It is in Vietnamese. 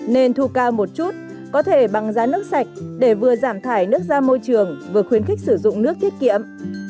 nên thu cao một chút có thể bằng giá nước sạch để vừa giảm thải nước ra môi trường vừa khuyến khích sử dụng nước tiết kiệm